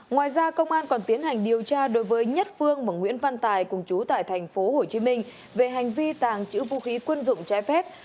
ngoài ra công an còn tiến hành điều tra đối với nhất phương và nguyễn văn tài cùng chú tại tp hcm về hành vi tàng trữ vũ khí quân dụng trái phép